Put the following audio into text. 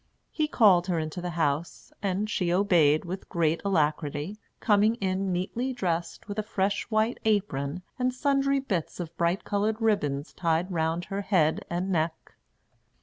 He called her into the house, and she obeyed with great alacrity, coming in neatly dressed, with a fresh white apron, and sundry bits of bright colored ribbons tied round her head and neck.